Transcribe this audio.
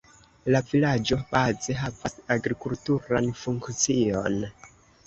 La vilaĝo baze havas agrikulturan funkcion.